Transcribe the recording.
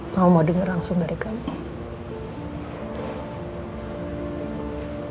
mama mau denger langsung dari kamu